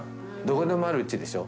どこにでもあるうちでしょ。